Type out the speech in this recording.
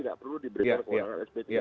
nggak perlu diberikan kewenangan sp tiga